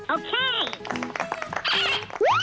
โอเค